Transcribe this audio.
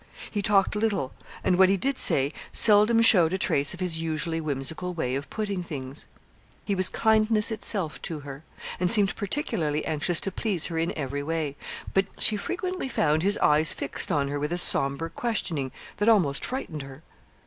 He talked little, and what he did say seldom showed a trace of his usually whimsical way of putting things. He was kindness itself to her, and seemed particularly anxious to please her in every way; but she frequently found his eyes fixed on her with a sombre questioning that almost frightened her.